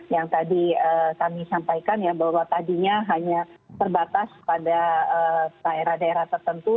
yang tadi kami sampaikan ya bahwa tadinya hanya terbatas pada daerah daerah tertentu